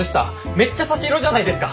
めっちゃ差し色じゃないですか。